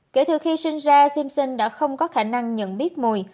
kể từ khi sinh ra simpson đã không có khả năng nhận biết mùi